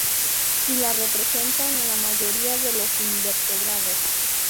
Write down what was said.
Y la presentan la mayoría de los invertebrados